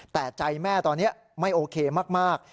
แต่ใจแม่ตอนนี้ไม่โอเคมาก